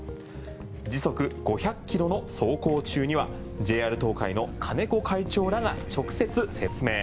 時速５００キロの走行中にはＪＲ東海の金子会長らが直接説明。